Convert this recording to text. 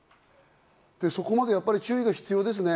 そこまで注意が必要ですね。